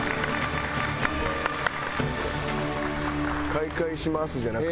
「開会します」じゃなくて。